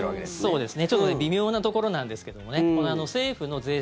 そうです。